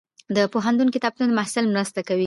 د پوهنتون کتابتون د محصل مرسته کوي.